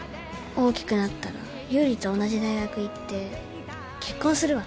大きくなったら優里と同じ大学行って結婚するわ。